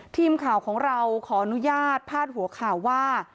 ทีมข่าวของเราขออนุญาตพาดหัวข่าวว่า